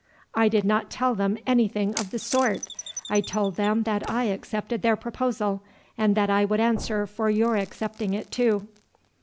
"I did not tell them anything of the sort. I told them that I accepted their proposal, and that I could answer for your accepting it too."